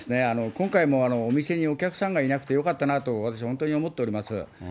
今回もお店にお客さんがいなくてよかったなと、私、本当に思っております。